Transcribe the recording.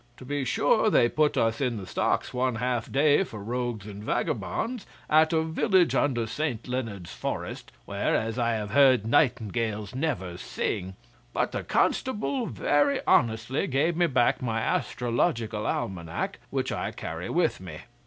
To be sure, they put us in the stocks one half day for rogues and vagabonds at a village under St Leonard's forest, where, as I have heard, nightingales never sing; but the constable very honestly gave me back my Astrological Almanac, which I carry with me.